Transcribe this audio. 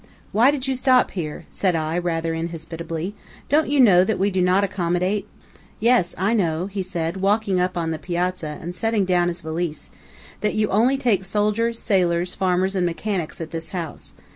"Why did you stop here?" said I, rather inhospitably. "Don't you know that we do not accommodate " "Yes, I know," he said, walking up on the piazza and setting down his valise, "that you only take soldiers, sailors, farmers, and mechanics at this house.